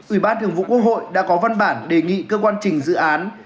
ủy ban thường vụ quốc hội đã có văn bản đề nghị cơ quan trình dự án